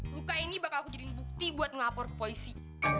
luka ini bakal jadi bukti buat ngapor ke poisi